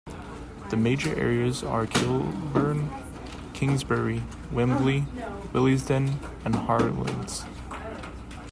The major areas are Kilburn, Kingsbury, Wembley, Willesden and Harlesden.